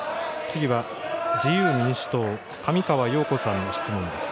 次は自由民主党、上川陽子さんの質問です。